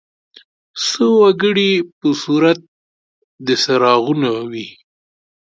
څه وګړي په صورت د څراغونو وي.